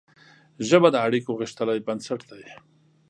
ژبه د اړیکو غښتلی بنسټ دی